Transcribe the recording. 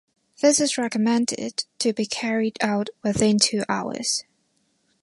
This is recommended to be carried out within two hours.